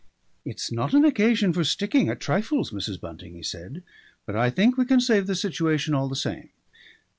"It's not an occasion for sticking at trifles, Mrs. Bunting," he said. "But I think we can save the situation all the same.